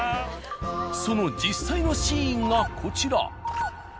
その実際のシーンがこちら。